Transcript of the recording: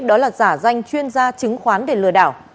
đó là giả danh chuyên gia chứng khoán để lừa đảo